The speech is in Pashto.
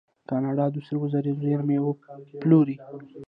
کاناډا د سرو زرو زیرمې پلورلي.